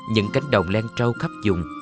những cánh đồng len trâu khắp dùng